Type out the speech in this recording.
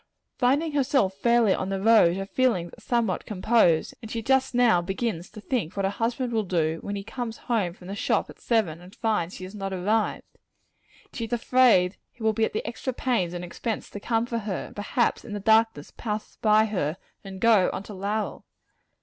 Finding herself fairly on the road, her feelings are somewhat composed, and she just now begins to think what her husband will do, when he comes from the shop at seven, and finds she has not arrived. She is afraid he will be at the extra pains and expense to come after her; and perhaps in the darkness pass by her, and go on to Lowell.